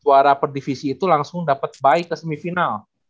suara per divisi itu langsung dapat baik ke semifinal